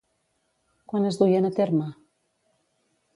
Quan es duien a terme?